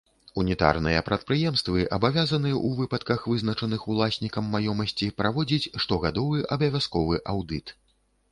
Унітарныя прадпрыемствы абавязаны ў выпадках, вызначаных уласнікам маёмасці, праводзіць штогадовы абавязковы аўдыт.